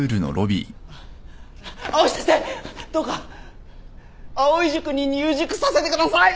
どうか藍井塾に入塾させてください！